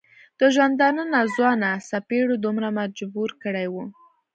د ژوندانه ناځوانه څپېړو دومره مجبور کړی و.